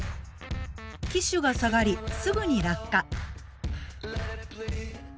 機首が下がりすぐに落下。